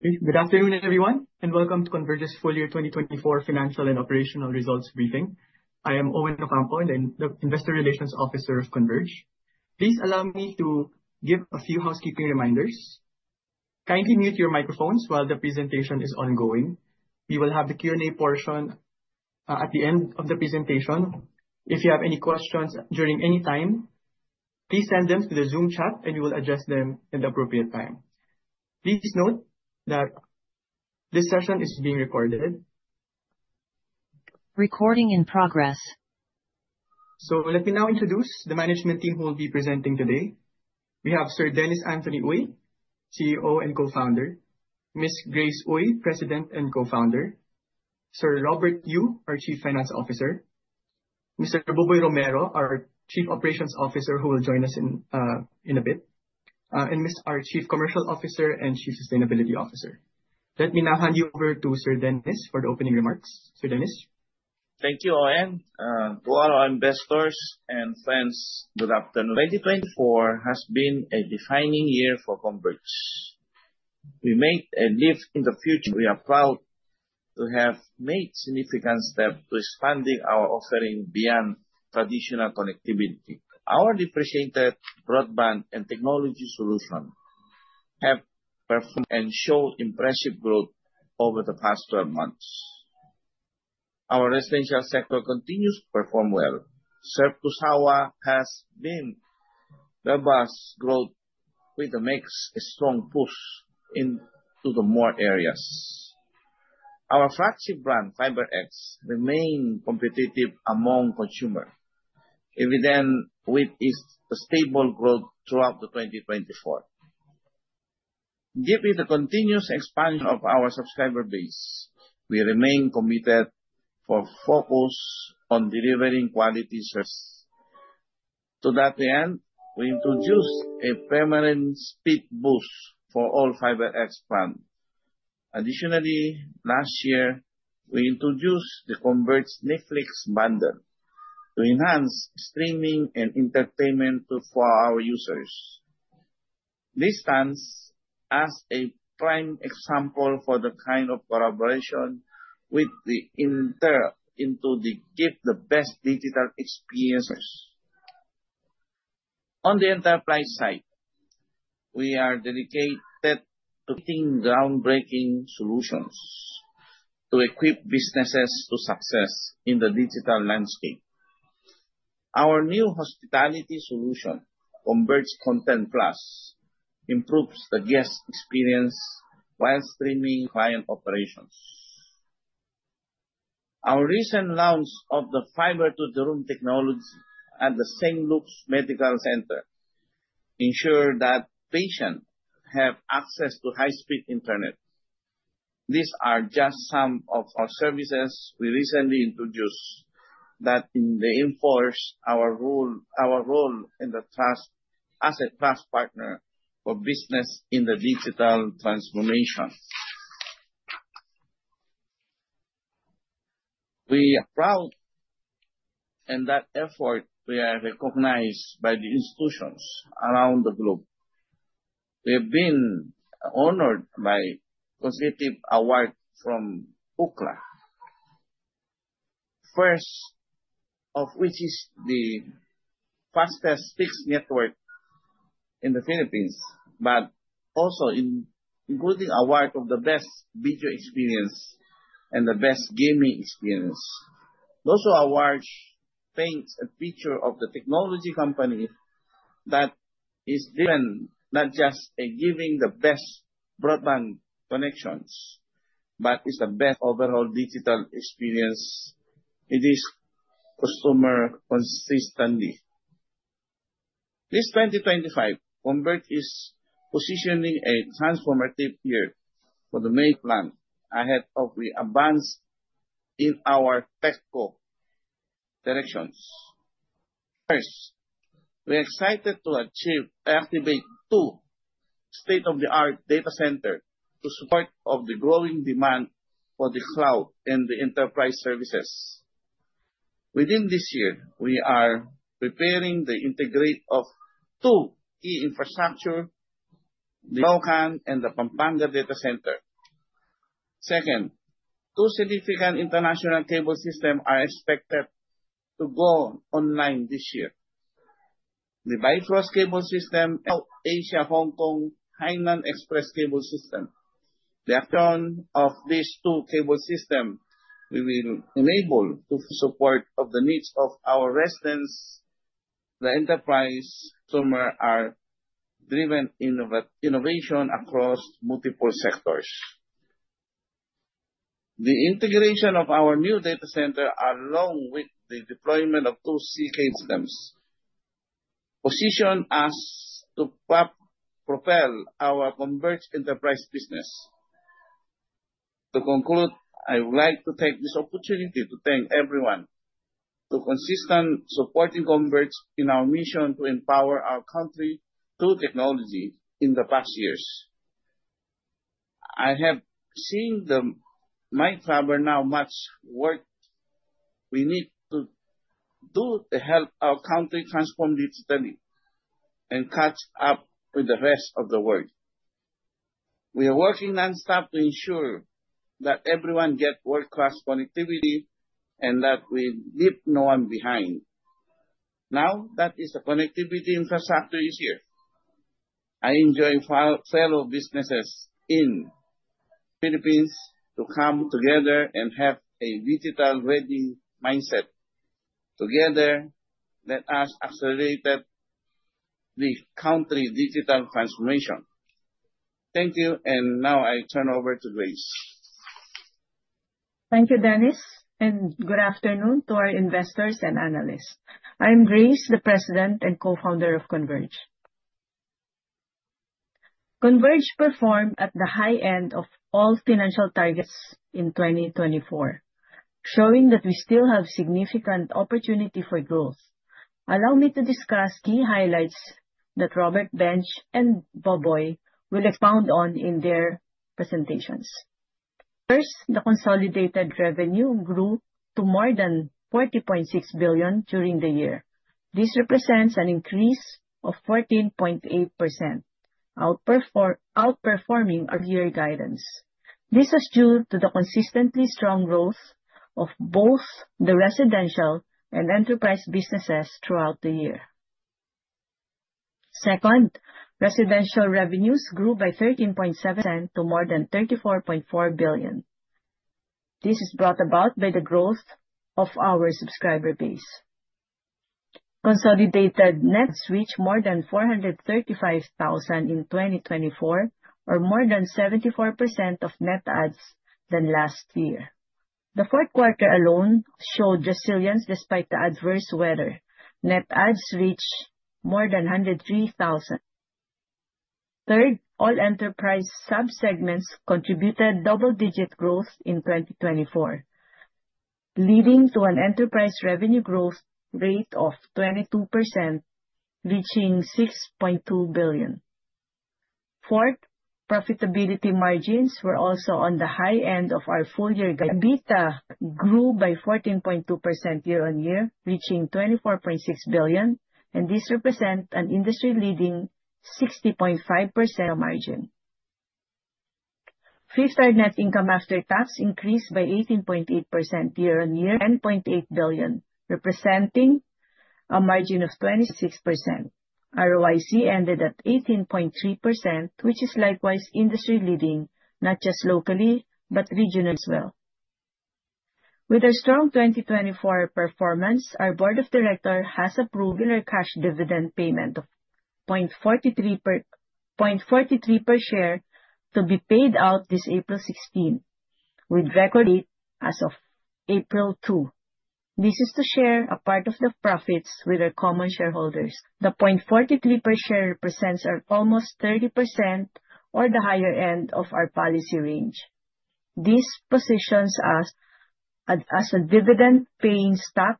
Good afternoon everyone, and welcome to Converge's full year 2024 financial and operational results briefing. I am Owen Ocampo, the Investor Relations Officer of Converge. Please allow me to give a few housekeeping reminders. Kindly mute your microphones while the presentation is ongoing. We will have the Q&A portion at the end of the presentation. If you have any questions during any time, please send them to the Zoom chat, and we will address them in the appropriate time. Please note that this session is being recorded. Recording in progress. Let me now introduce the management team who will be presenting today. We have Sir Dennis Anthony Uy, CEO and Co-founder. Miss Grace Uy, President and Co-founder. Sir Robert Yu, our Chief Finance Officer. Mr. Boboy Romero, our Chief Operations Officer, who will join us in a bit. Benj, our Chief Commercial Officer and Chief Sustainability Officer. Let me now hand you over to Sir Dennis for the opening remarks. Sir Dennis? Thank you, Owen. To all our investors and friends, good afternoon. 2024 has been a defining year for Converge. We made a leap in the future. We are proud to have made significant steps to expanding our offering beyond traditional connectivity. Our differentiated broadband and technology solution have performed and showed impressive growth over the past 12 months. Our residential sector continues to perform well. Surf2Sawa has been robust growth, with the mix a strong push into the more areas. Our flagship brand, FiberX, remain competitive among consumers, evident with its stable growth throughout 2024. Given the continuous expansion of our subscriber base, we remain committed for focus on delivering quality service. To that end, we introduced a permanent speed boost for all FiberX plans. Additionally, last year, we introduced the Converge Netflix bundle to enhance streaming and entertainment to for our users. This stands as a prime example for the kind of collaboration with the inter into the give the best digital experiences. On the enterprise side, we are dedicated to creating groundbreaking solutions to equip businesses to success in the digital landscape. Our new hospitality solution, Converge Content Plus, improves the guest experience while streaming client operations. Our recent launch of the fiber to the room technology at the St. Luke's Medical Center ensure that patients have access to high-speed internet. These are just some of our services we recently introduced that in reinforce our role in the trust as a trust partner for business in the digital transformation. We are proud in that effort, we are recognized by the institutions around the globe. We have been honored by prestigious award from Ookla. First of which is the fastest fixed network in the Philippines, but also including award of the best video experience and the best gaming experience. Those awards paints a picture of the technology company that is driven not just giving the best broadband connections, but is the best overall digital experience with its customer consistently. This 2025, Converge is positioning a transformative year for the main plan ahead of the advance in our technical directions. First, we're excited to activate two state-of-the-art data center to support of the growing demand for the cloud and the enterprise services. Within this year, we are preparing the integrate of two key infrastructure, the Lucban and the Pampanga Data Center. Second, two significant international cable system are expected to go online this year. The Bifrost Cable System and Asia Hong Kong Hainan Express Cable System. The return of these two cable system will enable to support of the needs of our residents, the enterprise customer are driven innovation across multiple sectors. The integration of our new data center, along with the deployment of two sea cable systems, position us to propel our Converge enterprise business. To conclude, I would like to take this opportunity to thank everyone to consistent supporting Converge in our mission to empower our country through technology in the past years. I have seen the mind fiber now much We need to do to help our country transform digitally and catch up with the rest of the world. We are working non-stop to ensure that everyone get world-class connectivity and that we leave no one behind. Now that is the connectivity infrastructure is here, I enjoin fellow businesses in Philippines to come together and have a digital-ready mindset. Together, let us accelerate the country's digital transformation. Thank you. Now I turn over to Grace. Thank you, Dennis. Good afternoon to our investors and analysts. I'm Grace, the President and Co-founder of Converge. Converge performed at the high end of all financial targets in 2024, showing that we still have significant opportunity for growth. Allow me to discuss key highlights that Robert, Benj, and Boboy will expound on in their presentations. First, the consolidated revenue grew to more than 40.6 billion during the year. This represents an increase of 14.8%, outperforming our year guidance. This was due to the consistently strong growth of both the residential and enterprise businesses throughout the year. Second, residential revenues grew by 13.7% to more than 34.4 billion. This is brought about by the growth of our subscriber base. Consolidated net switch more than 435,000 in 2024, or more than 74% of net adds than last year. The fourth quarter alone showed resilience despite the adverse weather. Net adds reached more than 103,000. Third, all enterprise sub-segments contributed double-digit growth in 2024, leading to an enterprise revenue growth rate of 22%, reaching PHP 6.2 billion. Fourth, profitability margins were also on the high end of our full year guide. EBITDA grew by 14.2% year-on-year, reaching PHP 24.6 billion, this represent an industry-leading 60.5% margin. Free side net income after tax increased by 18.8% year-on-year, 10.8 billion, representing a margin of 26%. ROIC ended at 18.3%, which is likewise industry-leading, not just locally, but regionally as well. With our strong 2024 performance, our board of director has approved in our cash dividend payment of 0.43 per share to be paid out this April 16, with record date as of April 2. This is to share a part of the profits with our common shareholders. The 0.43 per share represents our almost 30% or the higher end of our policy range. This positions us as a dividend paying stock,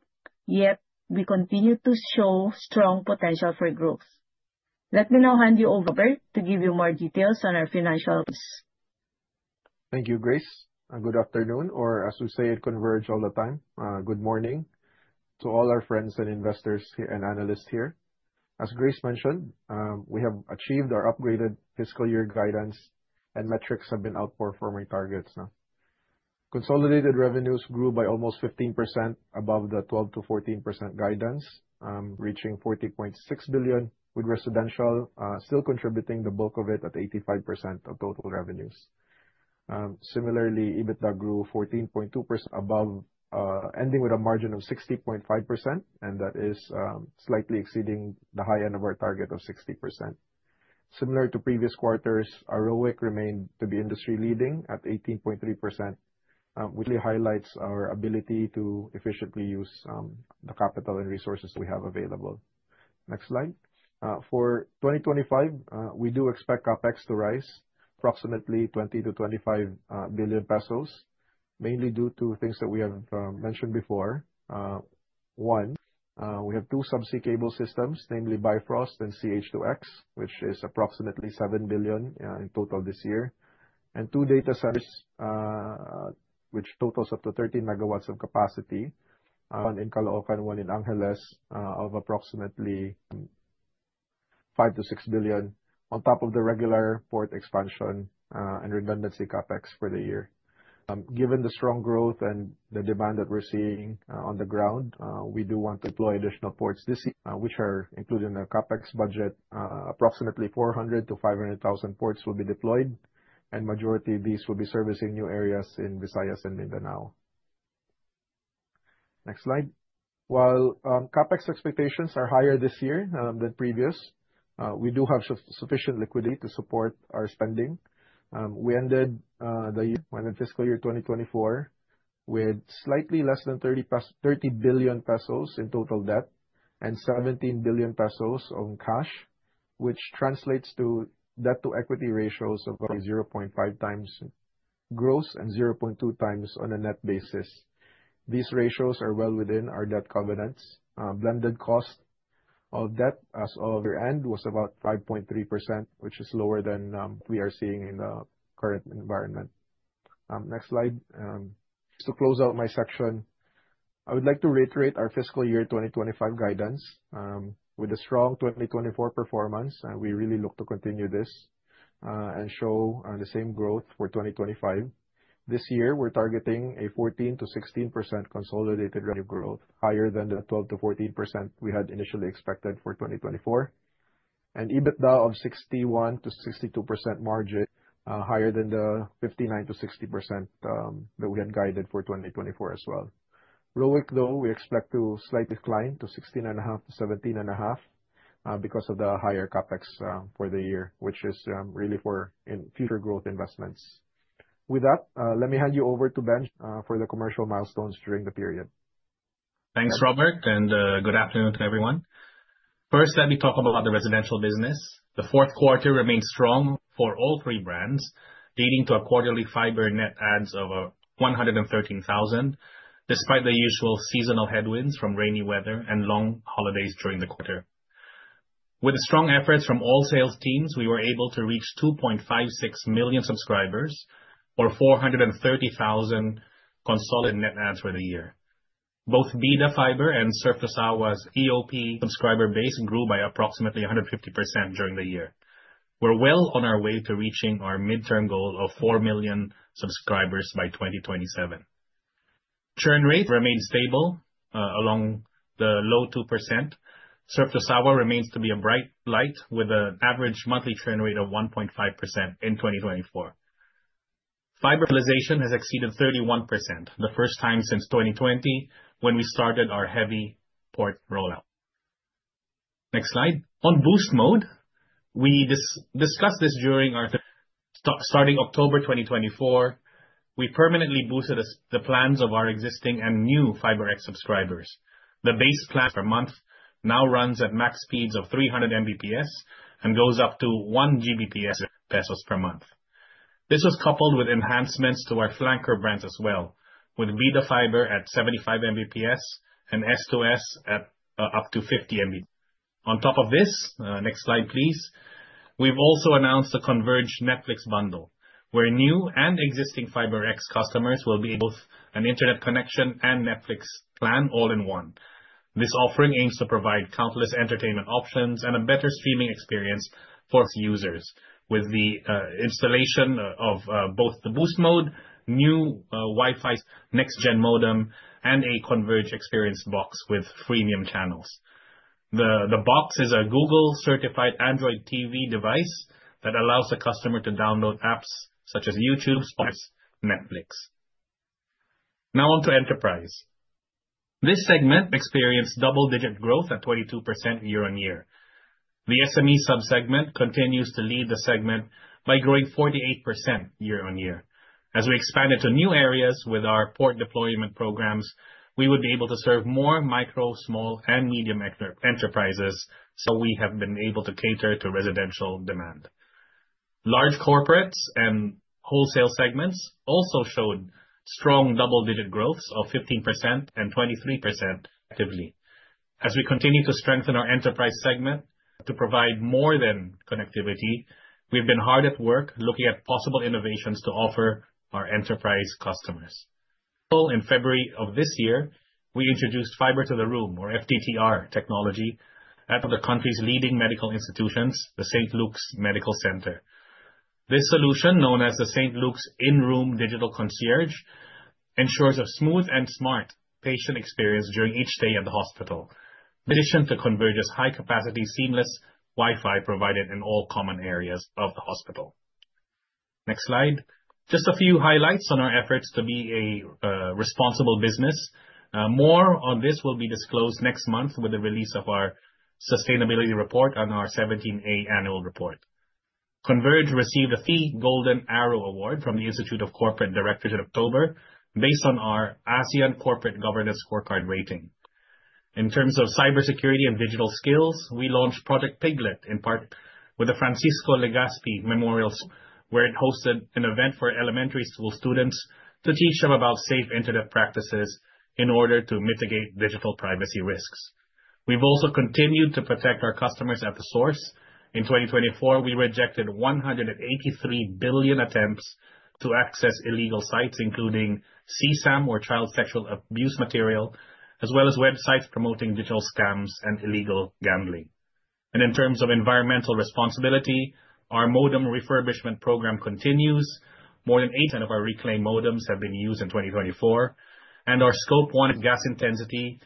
yet we continue to show strong potential for growth. Let me now hand you over to Robert to give you more details on our financials. Thank you, Grace, and good afternoon, or as we say at Converge all the time, good morning to all our friends and investors and analysts here. As Grace mentioned, we have achieved our upgraded fiscal year guidance and metrics have been outperforming targets. Consolidated revenues grew by almost 15% above the 12%-14% guidance, reaching 40.6 billion, with residential still contributing the book of it at 85% of total revenues. Similarly, EBITDA grew 14.2% above, ending with a margin of 60.5%, and that is slightly exceeding the high end of our target of 60%. Similar to previous quarters, ROIC remained to be industry leading at 18.3%, which highlights our ability to efficiently use the capital and resources we have available. Next slide. For 2025, we do expect CapEx to rise approximately 20 billion-25 billion pesos, mainly due to things that we have mentioned before. One, we have two subsea cable systems, namely Bifrost and SEA-H2X, which is approximately 7 billion in total this year. Two data centers, which totals up to 13 MW of capacity, one in Caloocan, one in Angeles, of approximately 5 billion-6 billion, on top of the regular port expansion and redundancy CapEx for the year. Given the strong growth and the demand that we're seeing on the ground, we do want to deploy additional ports this year, which are included in the CapEx budget. Approximately 400,000-500,000 ports will be deployed, and majority of these will be servicing new areas in Visayas and Mindanao. Next slide. While CapEx expectations are higher this year than previous, we do have sufficient liquidity to support our spending. We ended the year, the fiscal year 2024 with slightly less than 30 billion pesos in total debt and 17 billion pesos on cash, which translates to debt-to-equity ratios of around 0.5x gross and 0.2x on a net basis. These ratios are well within our debt covenants. Blended cost all debt as of year-end was about 5.3%, which is lower than we are seeing in the current environment. Next slide. To close out my section. I would like to reiterate our fiscal year 2025 guidance. With a strong 2024 performance, we really look to continue this and show the same growth for 2025. This year, we're targeting a 14%-16% consolidated rate of growth, higher than the 12%-14% we had initially expected for 2024. EBITDA of 61%-62% margin, higher than the 59%-60% that we had guided for 2024 as well. ROIC, though, we expect to slightly decline to 16.5%-17.5%, because of the higher CapEx for the year, which is really for in future growth investments. With that, let me hand you over to Benj for the commercial milestones during the period. Thanks, Robert. Good afternoon to everyone. First, let me talk about the residential business. The fourth quarter remained strong for all three brands, leading to a quarterly fiber net adds of 113,000, despite the usual seasonal headwinds from rainy weather and long holidays during the quarter. With strong efforts from all sales teams, we were able to reach 2.56 million subscribers or 430,000 consolidated net adds for the year. Both Bida Fiber and Surf2Sawa's EOP subscriber base grew by approximately 150% during the year. We're well on our way to reaching our midterm goal of 4 million subscribers by 2027. Churn rate remains stable along the low 2%. Surf2Sawa remains to be a bright light with an average monthly churn rate of 1.5% in 2024. Fiber utilization has exceeded 31%, the first time since 2020 when we started our heavy port rollout. Next slide. On boost mode, we discussed this during our starting October 2024, we permanently boosted the plans of our existing and new FiberX subscribers. The base plan per month now runs at max speeds of 300 Mbps and goes up to 1 Gbps pesos per month. This was coupled with enhancements to our flanker brands as well, with Bida Fiber at 75 Mbps and S to S at up to 50 Mb. On top of this, next slide, please. We've also announced a Converge Netflix Bundle, where new and existing FiberX customers will be both an internet connection and Netflix plan all in one. This offering aims to provide countless entertainment options and a better streaming experience for its users. With the installation of both the boost mode, new Wi-Fi next gen modem, and a Converge Xperience Box with freemium channels. The box is a Google-certified Android TV device that allows the customer to download apps such as YouTube, Spotify, Netflix. Now on to enterprise. This segment experienced double-digit growth at 22% year on year. The SME sub-segment continues to lead the segment by growing 48% year on year. As we expanded to new areas with our port deployment programs, we would be able to serve more micro, small and medium enterprises, we have been able to cater to residential demand. Large corporates and wholesale segments also showed strong double-digit growths of 15% and 23% actively. As we continue to strengthen our enterprise segment to provide more than connectivity, we've been hard at work looking at possible innovations to offer our enterprise customers. In February of this year, we introduced Fiber to the Room or FTTR technology at the country's leading medical institutions, the St. Luke's Medical Center. This solution, known as the St. Luke's In-Room Digital Concierge, ensures a smooth and smart patient experience during each stay at the hospital. In addition to Converge's high capacity, seamless Wi-Fi provided in all common areas of the hospital. Next slide. Just a few highlights on our efforts to be a responsible business. More on this will be disclosed next month with the release of our sustainability report on our 17-A annual report. Converge received a Five Golden Arrow award from the Institute of Corporate Directors in October based on our ASEAN Corporate Governance Scorecard rating. In terms of cybersecurity and digital skills, we launched Project PIGLET in part with the Francisco Legaspi Memorial School, where it hosted an event for elementary school students to teach them about safe internet practices in order to mitigate digital privacy risks. We've continued to protect our customers at the source. In 2024, we rejected 183 billion attempts to access illegal sites, including CSAM or child sexual abuse material, as well as websites promoting digital scams and illegal gambling. In terms of environmental responsibility, our modem refurbishment program continues. More than eight out of our reclaimed modems have been used in 2024. Our scope one gas intensity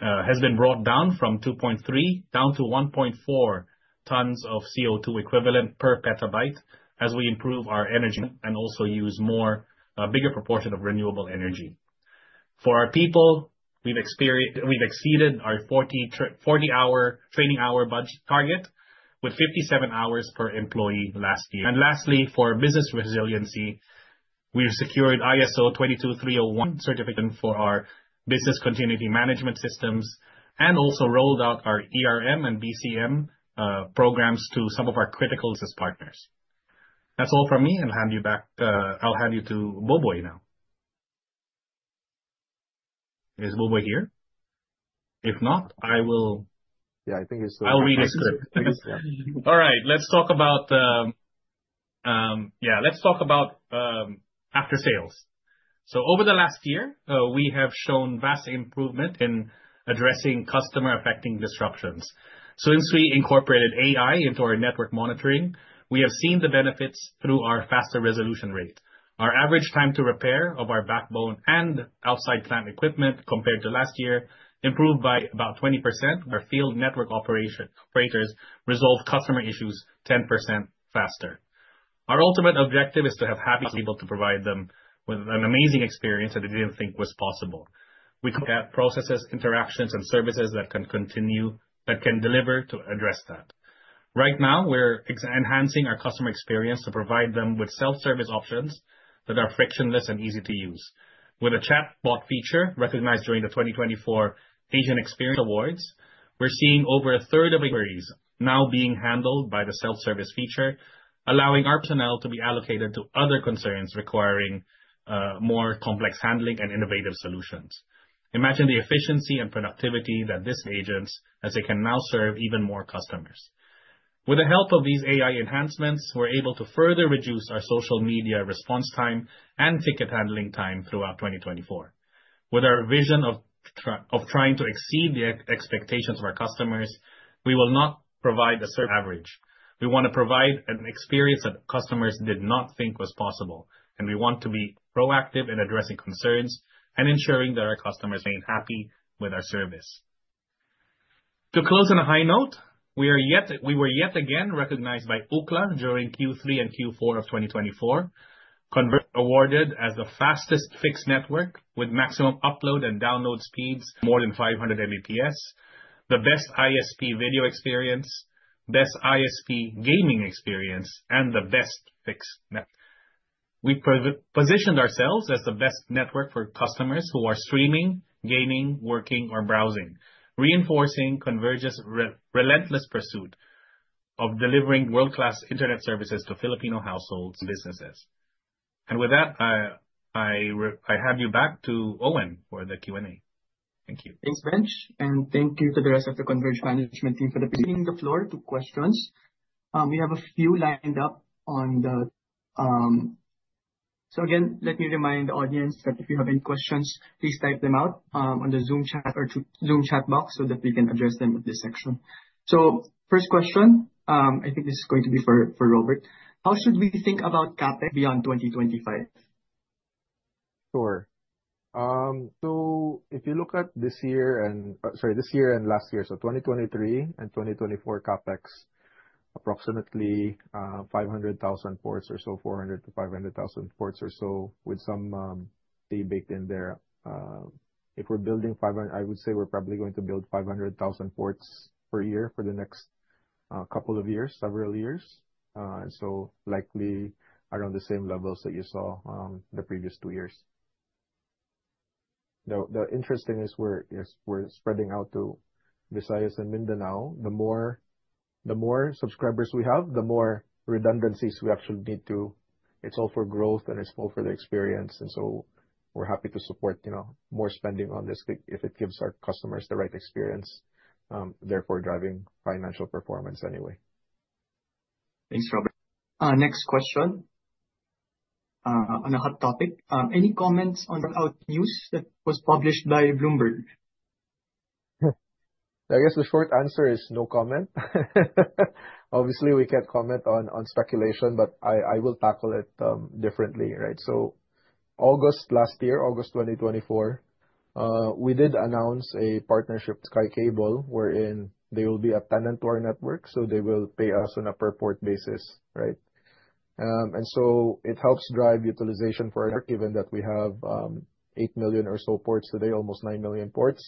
has been brought down from 2.3 down to 1.4 tons of CO2 equivalent per petabyte as we improve our energy and also use more, a bigger proportion of renewable energy. For our people, we've exceeded our 40-hour training hour target with 57 hours per employee last year. Lastly, for business resiliency, we've secured ISO 22301 certificate for our business continuity management systems and also rolled out our ERM and BCM programs to some of our critical business partners. That's all from me. I'll hand you back. I'll hand you to Boboy now. Is Boboy here? If not, I will. Yeah, I think he's. I'll read the script. All right, let's talk about. Yeah. Let's talk about after-sales. Over the last year, we have shown vast improvement in addressing customer-affecting disruptions. Since we incorporated AI into our network monitoring, we have seen the benefits through our faster resolution rate. Our average time to repair of our backbone and outside plant equipment compared to last year improved by about 20%, where field network operators resolve customer issues 10% faster. Our ultimate objective is to have happy people to provide them with an amazing experience that they didn't think was possible. We look at processes, interactions and services that can deliver to address that. Right now, we're enhancing our customer experience to provide them with self-service options that are frictionless and easy to use. With a chatbot feature recognized during the 2024 Asian Experience Awards, we're seeing over a third of inquiries now being handled by the self-service feature, allowing our personnel to be allocated to other concerns requiring more complex handling and innovative solutions. Imagine the efficiency and productivity that these agents as they can now serve even more customers. With the help of these AI enhancements, we're able to further reduce our social media response time and ticket handling time throughout 2024. With our vision of trying to exceed the expectations of our customers, we will not provide a certain average. We wanna provide an experience that customers did not think was possible, and we want to be proactive in addressing concerns and ensuring that our customers remain happy with our service. To close on a high note, we were yet again recognized by Ookla during Q3 and Q4 of 2024. Converge awarded as the fastest fixed network with maximum upload and download speeds more than 500 Mbps, the best ISP video experience, best ISP gaming experience and the best fixed net. We positioned ourselves as the best network for customers who are streaming, gaming, working or browsing, reinforcing Converge's relentless pursuit of delivering world-class internet services to Filipino households and businesses. With that, I hand you back to Owen for the Q&A. Thank you. Thanks, Benj, thank you to the rest of the Converge management team for ceding the floor to questions. We have a few lined up. Again, let me remind the audience that if you have any questions, please type them out on the Zoom chat or Zoom chat box so that we can address them in this section. First question, I think this is going to be for Robert. How should we think about CapEx beyond 2025? Sure. If you look at this year and last year, 2023 and 2024 CapEx, approximately 500,000 ports or so, 400,000-500,000 ports or so with some fee baked in there. If we're building 500, I would say we're probably going to build 500,000 ports per year for the next couple of years, several years. Likely around the same levels that you saw the previous two years. The interesting is we're spreading out to Visayas and Mindanao. The more subscribers we have, the more redundancies we actually need to. It's all for growth, and it's all for the experience. We're happy to support, you know, more spending on this if it gives our customers the right experience, therefore driving financial performance anyway. Thanks, Robert. Next question. On a hot topic, any comments on the route news that was published by Bloomberg? I guess the short answer is no comment. Obviously, we can't comment on speculation, but I will tackle it differently. Right. August last year, August 2024, we did announce a partnership with Sky Cable, wherein they will be a tenant to our network, so they will pay us on a per port basis, right? It helps drive utilization for our network, given that we have 8 million or so ports today, almost 9 million ports.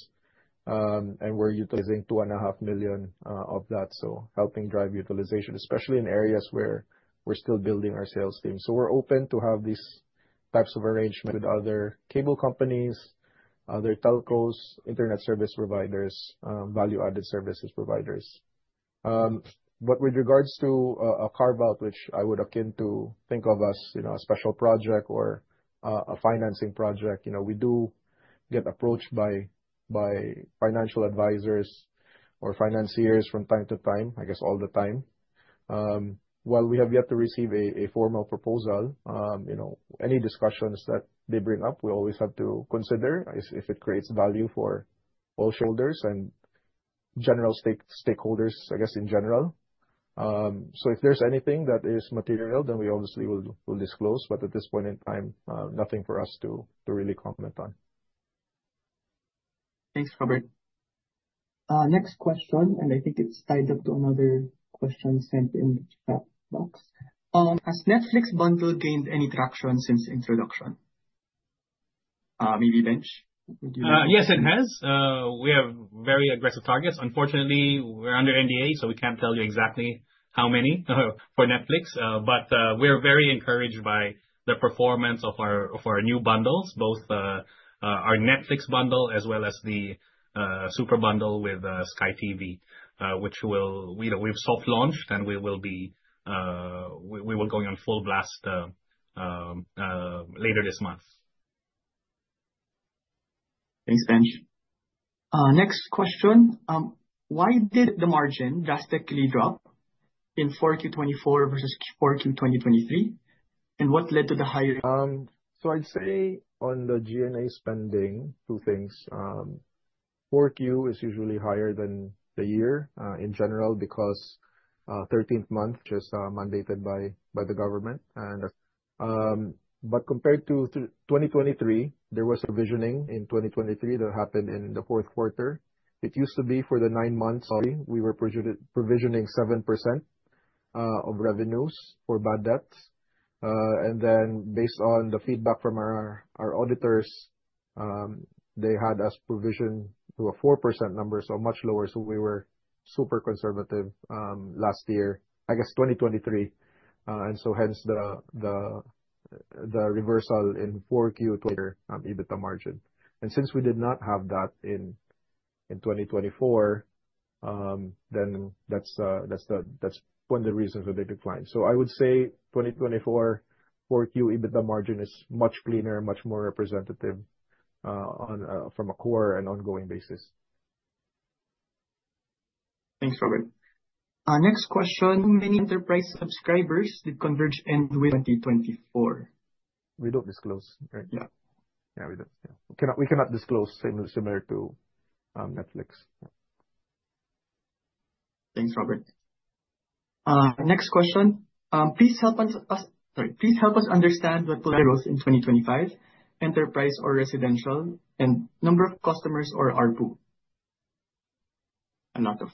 We're utilizing 2.5 million of that, so helping drive utilization, especially in areas where we're still building our sales team. We're open to have these types of arrangement with other cable companies, other telcos, internet service providers, value-added services providers. With regards to a carve-out, which I would akin to think of as, you know, a special project or a financing project. You know, we do get approached by financial advisors or financiers from time to time, I guess all the time. While we have yet to receive a formal proposal, you know, any discussions that they bring up, we always have to consider if it creates value for all shareholders and general stakeholders, I guess, in general. If there's anything that is material, then we obviously will disclose. At this point in time, nothing for us to really comment on. Thanks, Robert. Next question, I think it's tied up to another question sent in the chat box. Has Netflix Bundle gained any traction since introduction? Maybe Benj, would you. Yes, it has. We have very aggressive targets. Unfortunately, we're under NDA, so we can't tell you exactly how many for Netflix. We're very encouraged by the performance of our new bundles, both our Netflix Bundle as well as the Super Bundle with SKY TV, which will. You know, we've soft launched, and we will be, we will going on full blast later this month. Thanks, Benj. Next question. Why did the margin drastically drop in 4Q 2024 versus 4Q 2023? What led to the higher? I'd say on the G&A spending, 2 things. 4Q is usually higher than the year in general because 13th month, which is mandated by the government. But compared to 2023, there was a provision in 2023 that happened in the 4th quarter. It used to be for the nine months, sorry, we were provisioning 7% of revenues for bad debts. Based on the feedback from our auditors, they had us provision to a 4% number, so much lower, so we were super conservative last year, I guess, 2023. Hence the reversal in 4Q EBITDA margin. Since we did not have that in 2024, that's one of the reasons for the decline. I would say 2024 4Q EBITDA margin is much cleaner, much more representative, on, from a core and ongoing basis. Thanks, Robert. Next question. How many enterprise subscribers did Converge end with 2024? We don't disclose, right? Yeah. Yeah, we don't. We cannot disclose same, similar to, Netflix. Thanks, Robert. Next question. Sorry. Please help us understand what will grow in 2025, enterprise or residential, and number of customers or ARPU. Not both.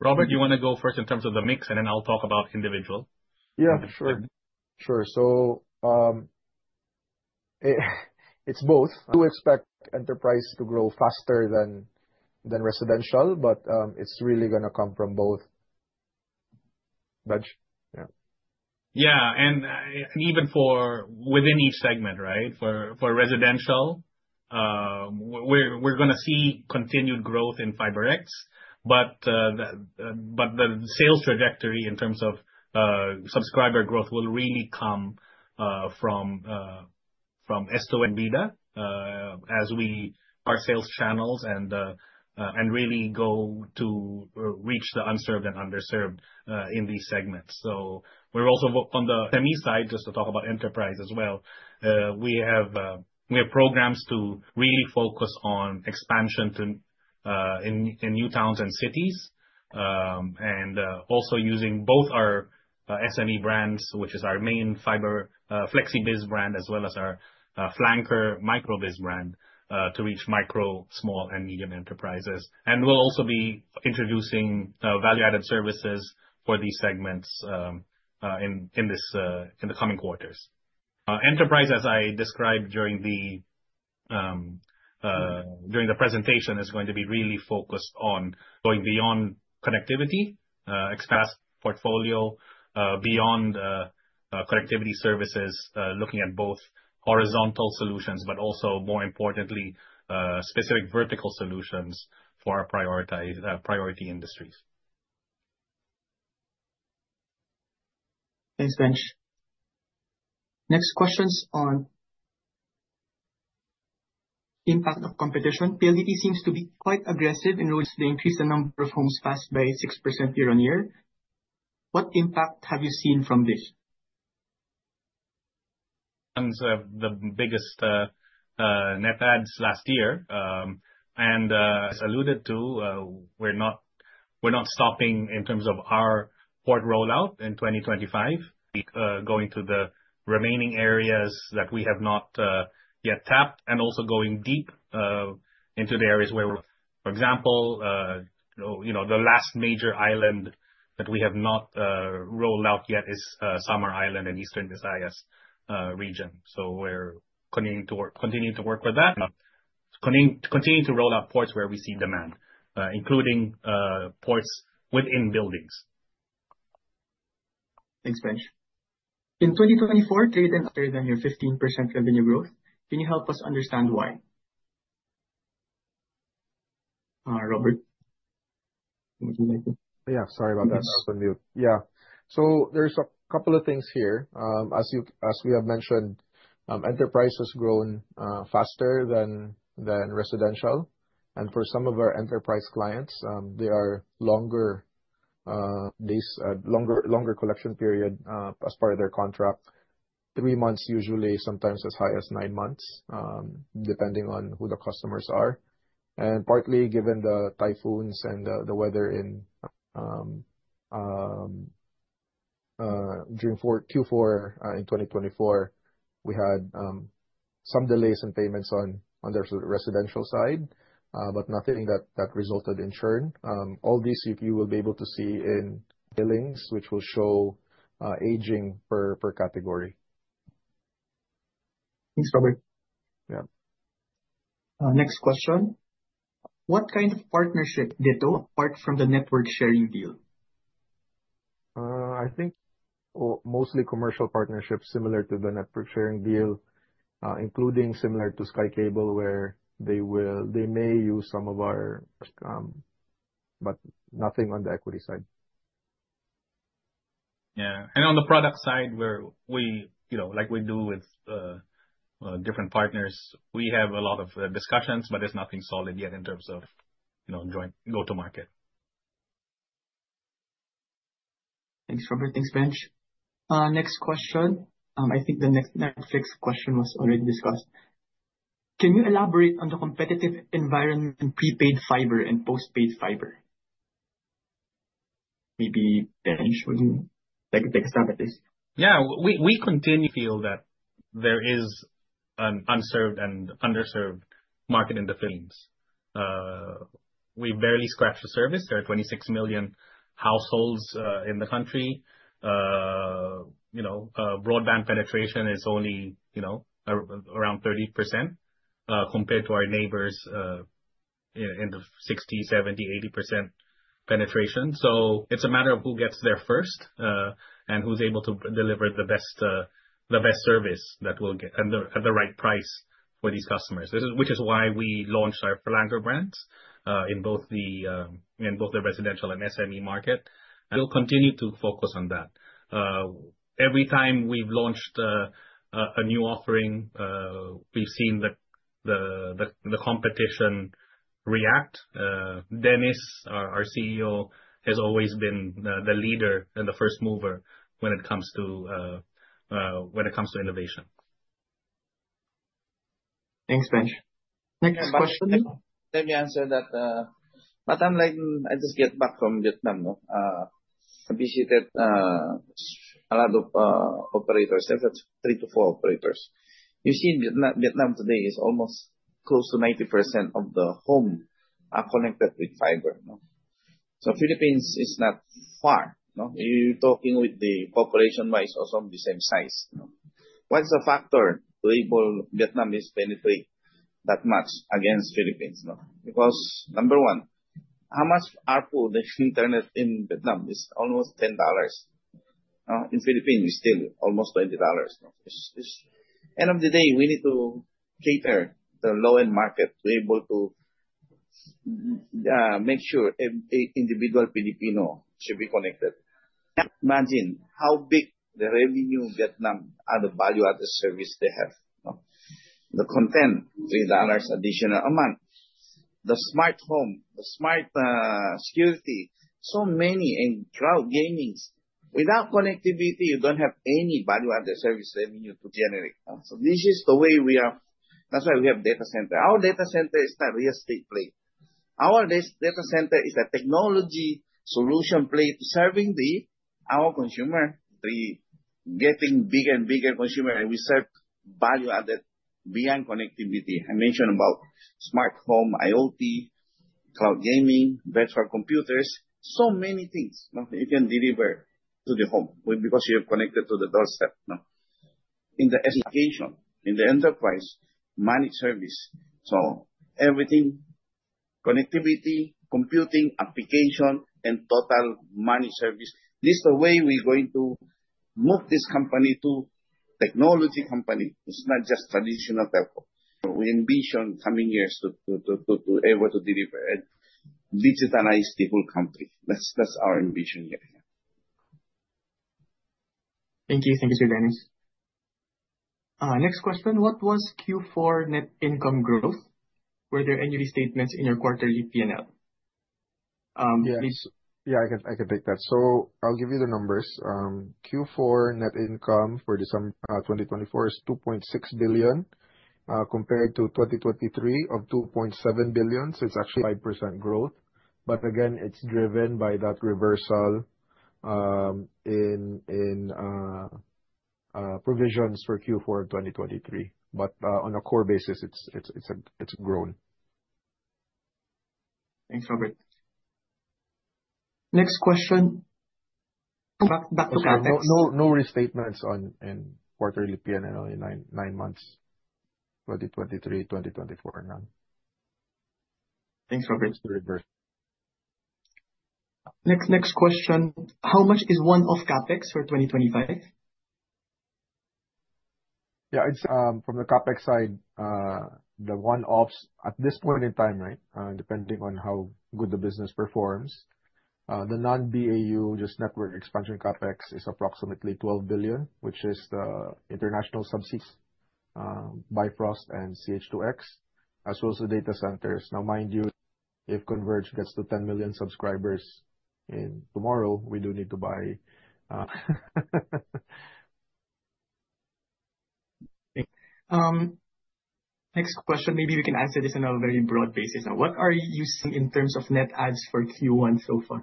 Robert, you wanna go first in terms of the mix, and then I'll talk about individual. Yeah, sure. Sure. It's both. Do expect enterprise to grow faster than residential, it's really gonna come from both. Benj? Yeah. Yeah. Even for within each segment, right? For residential, we're gonna see continued growth in FiberX. The sales trajectory in terms of subscriber growth will really come from Esto and Vida and really go to reach the unserved and underserved in these segments. On the SME side, just to talk about enterprise as well, we have programs to really focus on expansion to in new towns and cities. Also using both our SME brands, which is our main fiber, flexiBIZ brand, as well as our flanker microBIZ brand, to reach micro, small and medium enterprises. We'll also be introducing, value-added services for these segments, in this, in the coming quarters. Enterprise, as I described during the presentation, is going to be really focused on going beyond connectivity, XaaS portfolio, beyond connectivity services, looking at both horizontal solutions, but also more importantly, specific vertical solutions for our priority industries. Thanks, Benj. Next question's on impact of competition. PLDT seems to be quite aggressive in recently increased the number of homes passed by 6% year-on-year. What impact have you seen from this? And so the biggest, uh, uh, net adds last year. Um, and, uh, as alluded to, uh, we're not, we're not stopping in terms of our port rollout in 2025, uh, going to the remaining areas that we have not, uh, yet tapped, and also going deep, uh, into the areas where, for example, uh, you know, the last major island that we have not, uh, rolled out yet is, uh, Samar Island in Eastern Visayas, uh, region. So we're continuing to work, continuing to work with that, continuing to roll out ports where we see demand, uh, including, uh, ports within buildings. Thanks, Benj. In 2024, trade was higher than your 15% revenue growth. Can you help us understand why? Robert, would you like to? Yeah, sorry about that. I was on mute. Yeah. There's a couple of things here. As you, as we have mentioned, enterprise has grown faster than residential. For some of our enterprise clients, they are longer lease, longer collection period as part of their contract. Three months usually, sometimes as high as nine months, depending on who the customers are. Partly given the typhoons and the weather in Q4 2024, we had some delays in payments on the residential side, but nothing that resulted in churn. All these, if you will be able to see in billings, which will show aging per category. Thanks, Robert. Yeah. Next question. What kind of partnership, DITO, apart from the network sharing deal? I think mostly commercial partnerships similar to the network sharing deal, including similar to Sky Cable, where they may use some of our, but nothing on the equity side. Yeah. On the product side where we, you know, like we do with different partners, we have a lot of discussions, but there's nothing solid yet in terms of, you know, going go to market. Thanks, Robert. Thanks, Benj. next question. I think the next question was already discussed. Can you elaborate on the competitive environment in prepaid fiber and postpaid fiber? Maybe Benj will take a stab at this. Yeah. We continue to feel that there is an unserved and underserved market in the Philippines. We barely scratched the surface. There are 26 million households in the country. You know, broadband penetration is only, you know, around 30%, compared to our neighbors in the 60%, 70%, 80% penetration. It's a matter of who gets there first and who's able to deliver the best service that will get and the right price for these customers. Which is why we launched our FiberX Brand in both the residential and SME market. We'll continue to focus on that. Every time we've launched a new offering, we've seen the competition react. Dennis, our CEO, has always been the leader and the first mover when it comes to innovation. Thanks, Benj. Next question. Let me answer that, but I'm like, I just get back from Vietnam, no. I visited a lot of operators, three to four operators. You see, Vietnam today is almost close to 90% of the home are connected with fiber, no. Philippines is not far, no. You're talking with the population wise, also the same size, no. What's the factor to able Vietnam is penetrate that much against Philippines, no? Number one, how much are, for the internet in Vietnam is almost $10. In Philippines is still almost $20, no. It's. End of the day, we need to cater the low-end market to be able to make sure every individual Filipino should be connected. Imagine how big the revenue Vietnam are, the value-added service they have, no. The content, $3 additional a month, the smart home, the smart security, many, and cloud gamings. Without connectivity, you don't have any value-added service revenue to generate. This is the way we are. That's why we have data center. Our data center is not real estate play. Our data center is a technology solution play serving the, our consumer, the getting bigger and bigger consumer, and we serve value added beyond connectivity. I mentioned about smartphone, IoT, cloud gaming, virtual computers. Many things, no, you can deliver to the home because you're connected to the doorstep, no. In the education, in the enterprise, managed service. Everything, connectivity, computing, application and total managed service. This is the way we're going to move this company to technology company. It's not just traditional telco. We envision coming years to able to deliver a digitalized people company. That's our ambition, yeah. Thank you. Thank you, Sir Dennis. Next question. What was Q4 net income growth? Were there any restatements in your quarterly P&L? Yeah, I can take that. I'll give you the numbers. Q4 net income for December 2024 is 2.6 billion compared to 2023 of 2.7 billion. It's actually 5% growth. Again, it's driven by that reversal in provisions for Q4 of 2023. On a core basis, it's grown. Thanks, Robert. Next question. Back to CapEx. No, no restatements on any quarterly P&L in nine months. 2023, 2024, none. Thanks, Robert. Next question. How much is one-off CapEx for 2025? It's from the CapEx side, the one-offs at this point in time, right, depending on how good the business performs, the non-BAU just network expansion CapEx is approximately 12 billion, which is the international subsys, Bifrost and SEA-H2X, as well as the data centers. Now mind you, if Converge gets to 10 million subscribers in tomorrow, we do need to buy. Next question. Maybe we can answer this on a very broad basis. What are you seeing in terms of net adds for Q1 so far?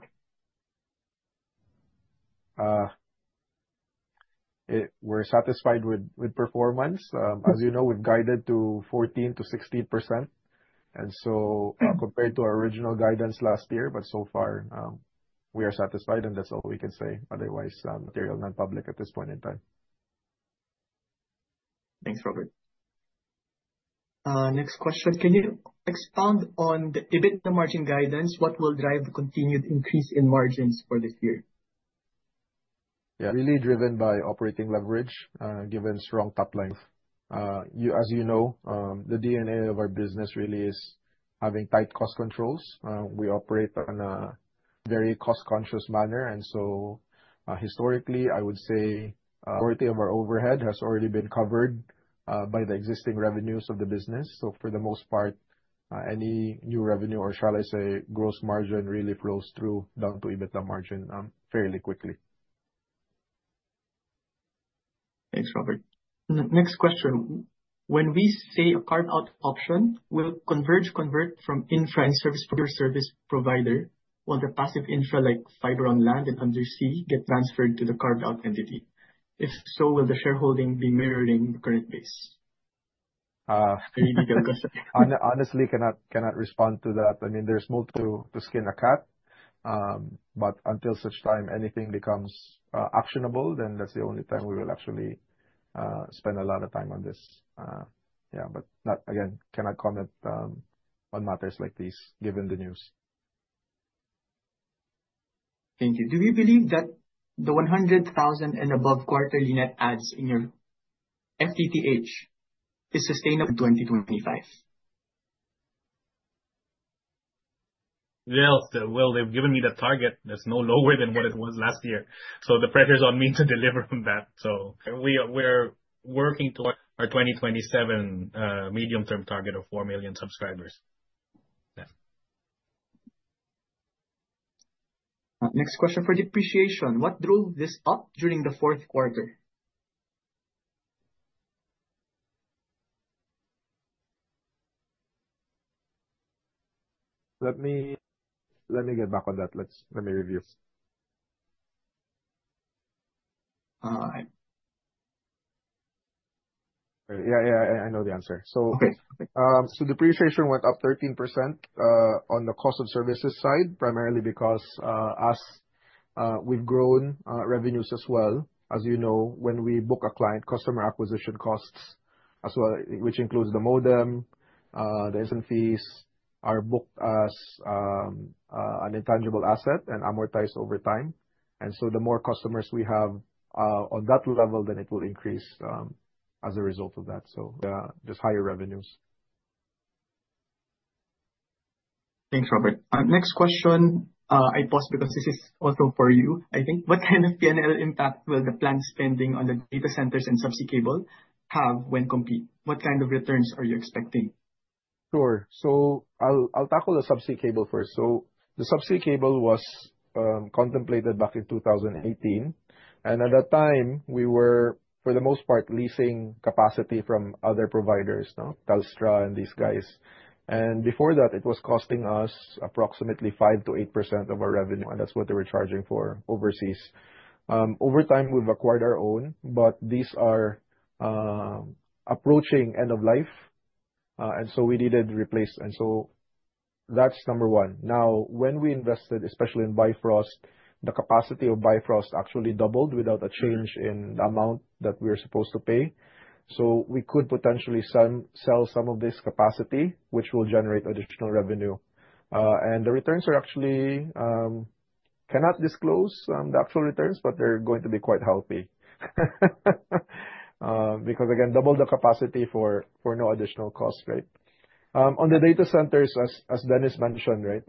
We're satisfied with performance. As you know, we've guided to 14%-16%, compared to our original guidance last year. We are satisfied, and that's all we can say. Material non-public at this point in time. Thanks, Robert. next question. Can you expand on the EBITDA margin guidance? What will drive the continued increase in margins for this year? Yeah. Really driven by operating leverage, given strong top line. You, as you know, the DNA of our business really is having tight cost controls. We operate on a very cost-conscious manner. Historically, I would say, majority of our overhead has already been covered by the existing revenues of the business. For the most part, any new revenue or shall I say gross margin really flows through down to EBITDA margin, fairly quickly. Thanks, Robert. Next question. When we say a carve-out option, will Converge convert from infra and service provider while the passive infra like fiber on land and undersea get transferred to the carved-out entity? If so, will the shareholding be mirrored in the current base? Uh. Can you take that question? Honestly cannot respond to that. I mean, there's more to skin a cat. Until such time anything becomes actionable, then that's the only time we will actually spend a lot of time on this. Yeah, not again, cannot comment on matters like these given the news. Thank you. Do we believe that the 100,000 and above quarterly net adds in your FTTH is sustainable 2025? Well, they've given me that target. That's no lower than what it was last year. The pressure's on me to deliver on that. We're working towards our 2027 medium-term target of 4 million subscribers. Yeah. Next question for depreciation. What drove this up during the fourth quarter? Let me get back on that. Let me review. All right. Yeah. I know the answer. Okay. Depreciation went up 13% on the cost of services side, primarily because, as we've grown revenues as well. As you know, when we book a client, customer acquisition costs as well, which includes the modem, the IRU fees are booked as an intangible asset and amortized over time. The more customers we have on that level, then it will increase as a result of that. Yeah, just higher revenues. Thanks, Robert. Next question, I pause because this is also for you, I think. What kind of P&L impact will the planned spending on the data centers and subsea cable have when complete? What kind of returns are you expecting? Sure. I'll tackle the subsea cable first. The subsea cable was contemplated back in 2018. At that time, we were for the most part, leasing capacity from other providers, no, Telstra and these guys. Before that, it was costing us approximately 5%-8% of our revenue, and that's what they were charging for overseas. Over time, we've acquired our own, but these are approaching end of life. We needed to replace. That's number one. Now, when we invested, especially in Bifrost, the capacity of Bifrost actually doubled without a change in the amount that we're supposed to pay. We could potentially sell some of this capacity, which will generate additional revenue. The returns are actually cannot disclose the actual returns, but they're going to be quite healthy. Because again, double the capacity for no additional cost, right. On the data centers as Dennis mentioned, right.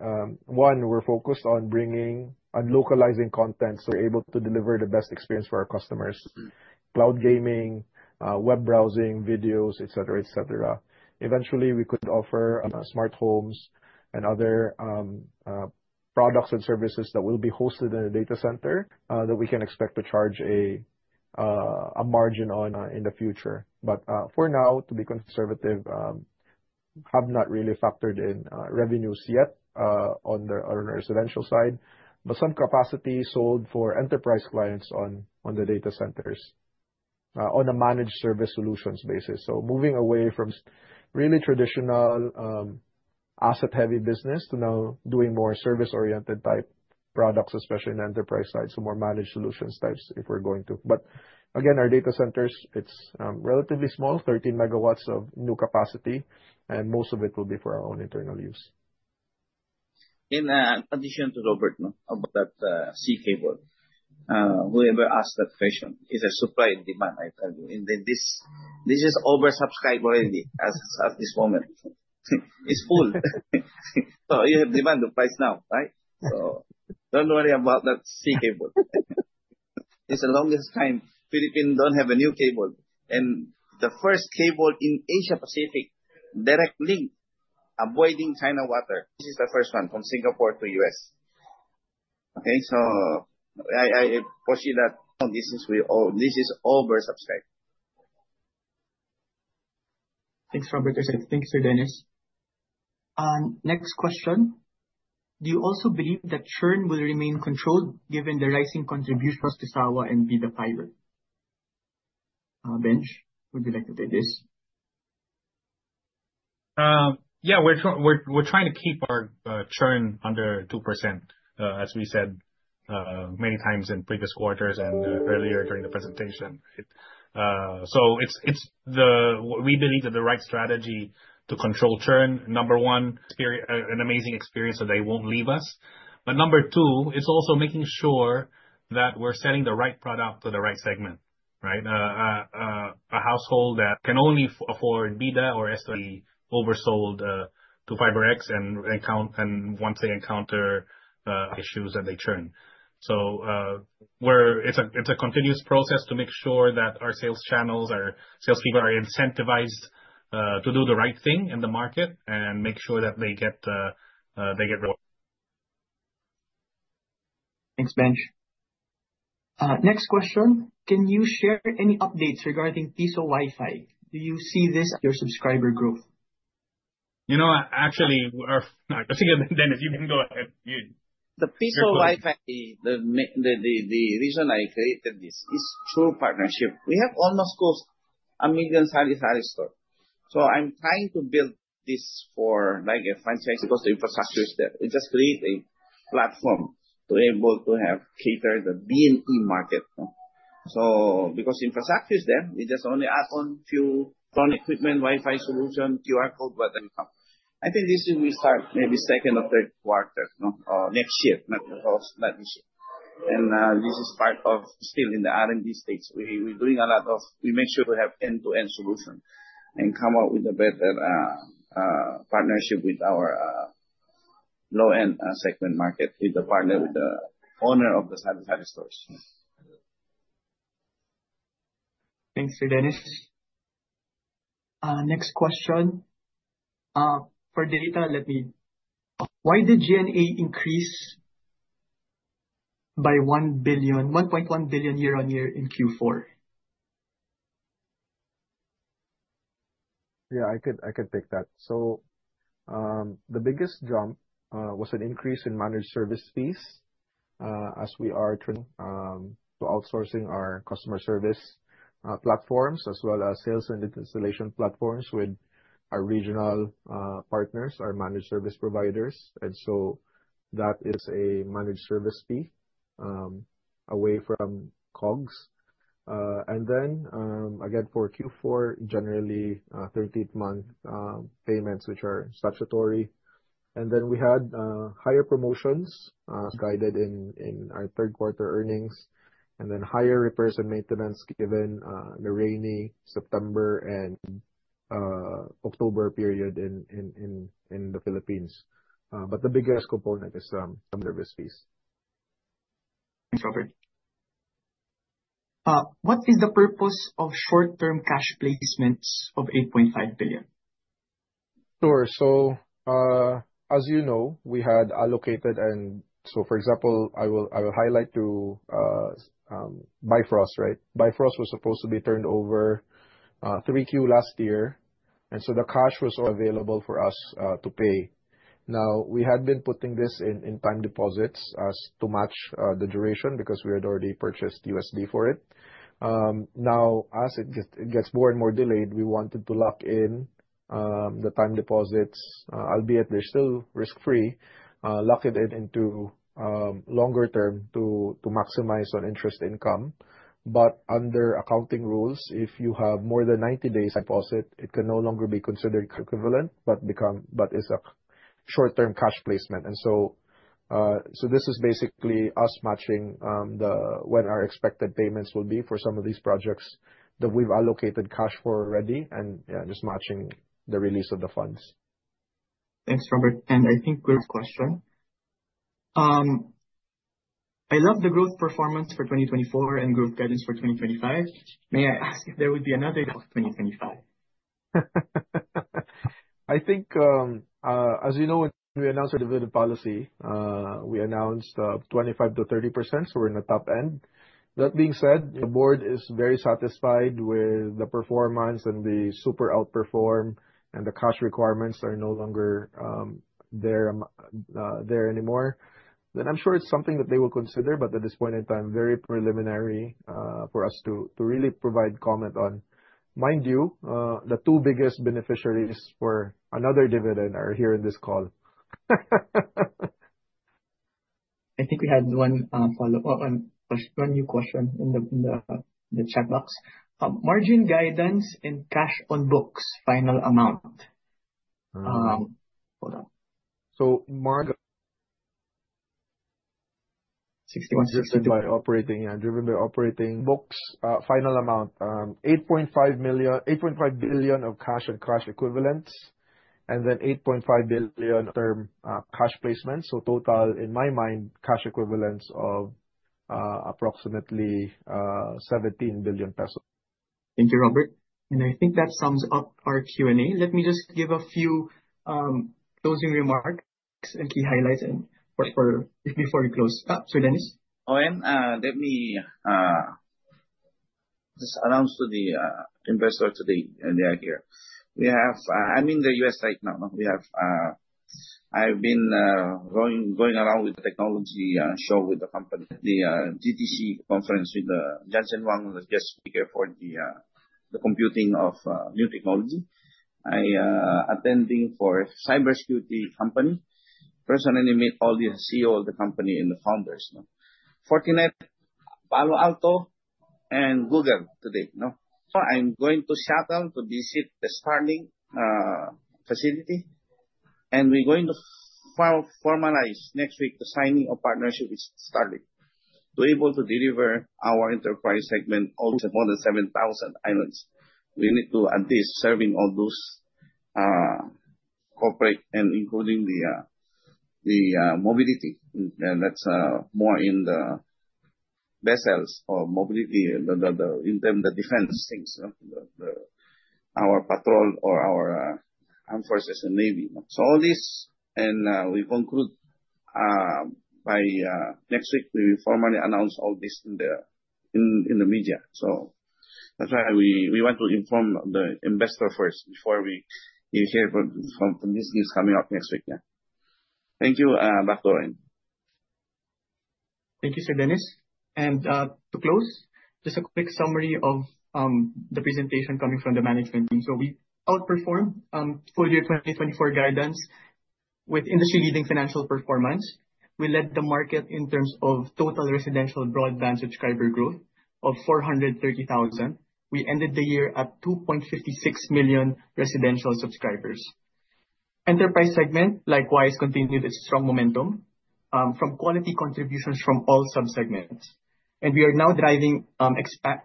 One, we're focused on bringing and localizing content, so we're able to deliver the best experience for our customers. Cloud gaming, web browsing, videos, et cetera, et cetera. Eventually, we could offer smart homes and other products and services that will be hosted in a data center that we can expect to charge a margin on in the future. For now, to be conservative, have not really factored in revenues yet on the residential side. Some capacity sold for enterprise clients on the data centers on a managed service solutions basis. Moving away from really traditional, asset heavy business to now doing more service-oriented type products, especially in enterprise side. More managed solutions types if we're going to. Again, our data centers, it's relatively small, 13 MW of new capacity, and most of it will be for our own internal use. In addition to Robert, about that sea cable. Whoever asked that question, it's a supply and demand, I tell you. This is oversubscribed already as this moment. It's full. You have demand the price now, right? Don't worry about that sea cable. It's the longest time Philippines don't have a new cable. The first cable in Asia Pacific directly avoiding China water. This is the first one from Singapore to U.S. Okay. I foresee that this is oversubscribed. Thanks, Robert. Thanks, Dennis. Next question. Do you also believe that churn will remain controlled given the rising contributions to Surf2Sawa and Bida Vibe? Benj, would you like to take this? Yeah. We're trying to keep our churn under 2% as we said many times in previous quarters and earlier during the presentation. We believe that the right strategy to control churn, number one, experience, an amazing experience, so they won't leave us. Number two, it's also making sure that we're selling the right product to the right segment. Right? A household that can only afford Bida or S.VI oversold to FiberX and once they encounter issues then they churn. We're. It's a continuous process to make sure that our sales channels, our sales people are incentivized to do the right thing in the market and make sure that they get they get. Thanks, Benj. next question. Can you share any updates regarding Piso WiFi? Do you see this your subscriber growth? You know what, actually, our Dennis, you can go ahead. The Piso WiFi, the reason I created this is true partnership. We have almost close 1 million sari-sari store. I'm trying to build this for like a franchise because the infrastructure is there. It just create a platform to able to have cater the B and E market, no. Because infrastructure is there, it just only add on few phone equipment, Wi-Fi solution, QR code, but then come. I think this will start maybe 2nd or 3rd quarter, no, or next year, not this year. This is part of still in the R&D stage. We're doing a lot of. We make sure to have end-to-end solution and come up with a better partnership with our low-end segment market with the partner, with the owner of the sari-sari stores. Thanks, Dennis. Next question, for Dilip or Lepid. Why did G&A increase by PHP 1.1 billion year-over-year in Q4? Yeah, I could take that. The biggest jump was an increase in managed service fees as we are to outsourcing our customer service platforms, as well as sales and installation platforms with our regional partners, our managed service providers. That is a managed service fee away from COGS. Again, for Q4, generally, 13-month payments which are statutory. We had higher promotions guided in our third quarter earnings, and then higher repairs and maintenance given the rainy September and October period in the Philippines. The biggest component is some service fees. Thanks, Robert. What is the purpose of short-term cash placements of 8.5 billion? Sure. As you know, we had allocated and for example, I will highlight to Bifrost, right? Bifrost was supposed to be turned over 3Q last year, the cash was available for us to pay. We had been putting this in time deposits as to match the duration because we had already purchased USD for it. As it gets more and more delayed, we wanted to lock in the time deposits, albeit they're still risk-free, lock it in into longer term to maximize on interest income. Under accounting rules, if you have more than 90-days deposit, it can no longer be considered equivalent, but is a short-term cash placement. This is basically us matching the... when our expected payments will be for some of these projects that we've allocated cash for already and, yeah, just matching the release of the funds. Thanks, Robert. I think we have a question. I love the growth performance for 2024 and growth guidance for 2025. May I ask if there will be another in 2025? I think, as you know, when we announced our dividend policy, we announced 25%-30%, so we're in the top end. That being said, the board is very satisfied with the performance and the super outperformance, and the cash requirements are no longer there anymore. I'm sure it's something that they will consider, but at this point in time, very preliminary for us to really provide comment on. Mind you, the two biggest beneficiaries for another dividend are here in this call. I think we had one, follow-up, one new question in the chat box. Margin guidance and cash on books final amount. Hold on. 16 by operating, yeah, driven by operating books, final amount, 8.5 billion of cash and cash equivalents, and then 8.5 billion term, cash placements. Total, in my mind, cash equivalents of, approximately, 17 billion pesos. Thank you, Robert. I think that sums up our Q&A. Let me just give a few closing remarks and key highlights before we close. Dennis. Let me just announce to the investor today. They are here. We have. I'm in the U.S. right now. We have, I've been going around with technology show with the company, the DTC conference with Jensen Huang the guest speaker for the computing of new technology. I attending for cybersecurity company. Personally meet all the CEO of the company and the founders, no. Fortinet, Palo Alto, and Google today, no. I'm going to Seattle to visit the Starlink facility. We're going to formalize next week the signing of partnership with Starlink to be able to deliver our enterprise segment all to more than 7,000 islands. We need to at least serving all those corporate and including the mobility. That's more in the vessels or mobility, the defense things, our patrol or our armed forces and navy. All this, we conclude next week, we will formally announce all this in the media. That's why we want to inform the investor first before you hear from this news coming out next week. Thank you, back to Owen. Thank you, Sir Dennis. To close, just a quick summary of the presentation coming from the management team. We outperformed full year 2024 guidance with industry-leading financial performance. We led the market in terms of total residential broadband subscriber growth of 430,000. We ended the year at 2.56 million residential subscribers. Enterprise segment likewise continued its strong momentum, from quality contributions from all sub-segments. We are now driving,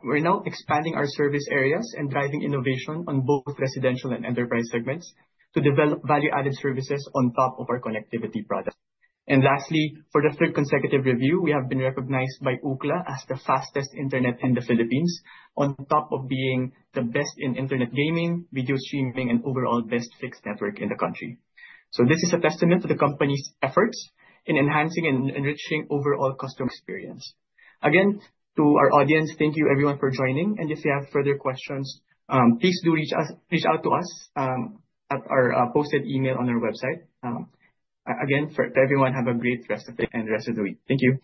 we're now expanding our service areas and driving innovation on both residential and enterprise segments to develop value-added services on top of our connectivity product. Lastly, for the third consecutive review, we have been recognized by Ookla as the fastest internet in the Philippines, on top of being the best in internet gaming, video streaming and overall best fixed network in the country. This is a testament to the company's efforts in enhancing and enriching overall customer experience. Again, to our audience, thank you everyone for joining. If you have further questions, please do reach out to us, at our posted email on our website. Again, for everyone, have a great rest of the day and rest of the week. Thank you.